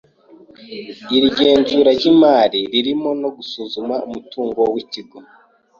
Iri genzura ryimari ririmo no gusuzuma umutungo wikigo.